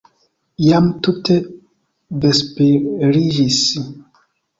Jam tute vesperiĝis.